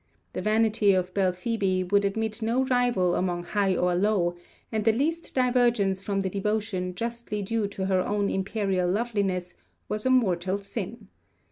The vanity of Belphoebe would admit no rival among high or low, and the least divergence from the devotion justly due to her own imperial loveliness was a mortal sin.